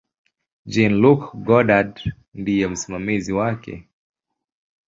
Jean-Luc Godard ndiye msimamizi wake.